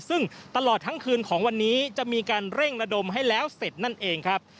ซึ่งตลอดทั้งคืนของวันนี้จะมีการเร่งระดมให้แล้วเสร็จนั่นเองครับ